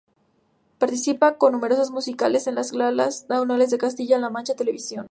Participa con números musicales en las galas anuales de Castilla-La Mancha Televisión.